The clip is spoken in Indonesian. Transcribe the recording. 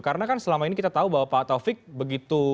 karena kan selama ini kita tahu bahwa pak taufik begitu